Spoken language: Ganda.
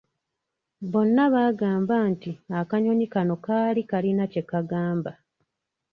Bonna baagamba nti akanyonyi kano kaali kalina kye kagamba.”